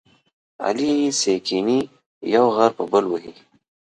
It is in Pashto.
علي چې کېني، یو غر په بل وهي.